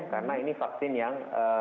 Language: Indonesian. karena ini vaksin yang